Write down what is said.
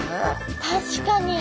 確かに。